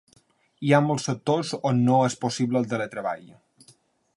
Hi ha molts sectors on no és possible el teletreball.